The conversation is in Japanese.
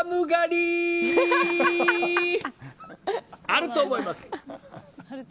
あると思います。